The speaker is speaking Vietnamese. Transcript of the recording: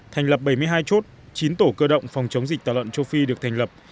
thành lập bảy mươi hai chốt chín tổ cơ động phòng chống dịch tả lợn châu phi được thành lập